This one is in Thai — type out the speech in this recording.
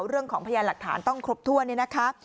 เรื่องของพยานหลักฐานต้องครบถ้วนเนี่ยนะคะ